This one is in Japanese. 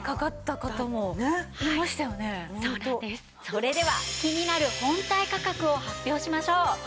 それでは気になる本体価格を発表しましょう。